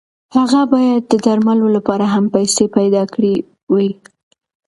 هغه باید د درملو لپاره هم پیسې پیدا کړې وای.